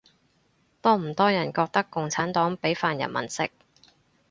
多唔多人覺得共產黨畀飯人民食